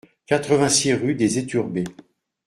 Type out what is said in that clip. quatre-vingt-six rue des Eturbées